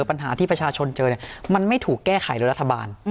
ปัญหาที่ประชาชนเจอเนี่ยมันไม่ถูกแก้ไขโดยรัฐบาล